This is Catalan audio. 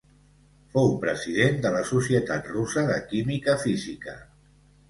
Fou president de la Societat Russa de Química Física.